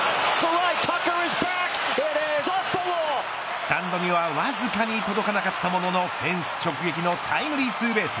スタンドにはわずかに届かなかったもののフェンス直撃のタイムリーツーベース。